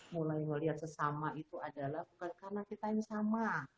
mulai melihat sesama itu adalah bukan karena kita yang sama